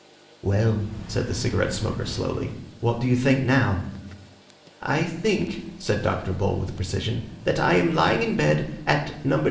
"Well," said the cigarette smoker slowly, "what do you think now?" "I think," said Dr. Bull with precision, "that I am lying in bed at No.